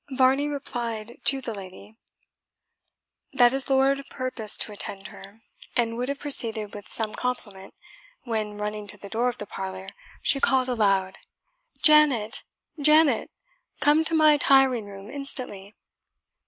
Varney replied to the lady, that his lord purposed to attend her; and would have proceeded with some compliment, when, running to the door of the parlour, she called aloud, "Janet Janet! come to my tiring room instantly."